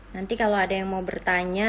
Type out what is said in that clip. nanti kalau ada yang mau bertanya